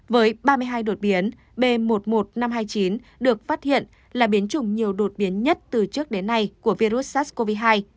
với ba mươi hai đột biến b một mươi một nghìn năm trăm hai mươi chín được phát hiện là biến chủng nhiều đột biến nhất từ trước đến nay của virus sars cov hai